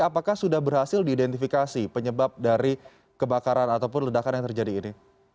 apakah sudah berhasil diidentifikasi penyebab dari kebakaran ataupun ledakan yang terjadi ini